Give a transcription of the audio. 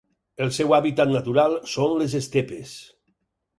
El seu hàbitat natural són les estepes.